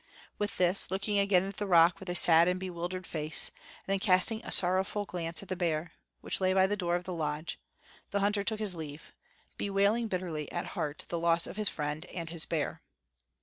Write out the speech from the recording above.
With this, looking again at the rock with a sad and bewildered face, and then casting a sorrowful glance at the bear, which lay by the door of the lodge, the hunter took his leave, bewailing bitterly at heart the loss of his friend and his bear.